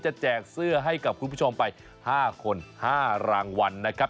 แจกเสื้อให้กับคุณผู้ชมไป๕คน๕รางวัลนะครับ